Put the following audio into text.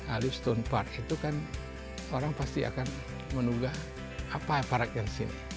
alif stone park itu kan orang pasti akan menunggu apa parknya disini